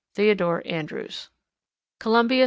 THEODORE ANDREWS. _Columbia, S.